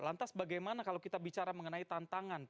lantas bagaimana kalau kita bicara mengenai tantangan